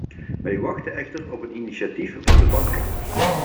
Wij wachten echter op een initiatief van de banken.